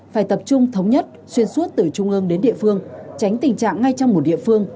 phải tập trung thống nhất xuyên suốt từ trung ương đến địa phương tránh tình trạng ngay trong một địa phương